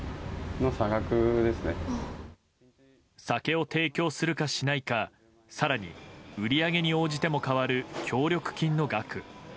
酒を提供するかしないか更に、売り上げに応じても変わる協力金の額。